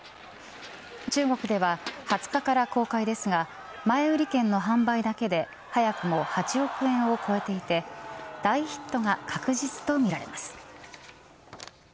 中国では２０日から公開ですが前売り券の販売だけで早くも８億円を超えていて大ヒットが確実とみられます。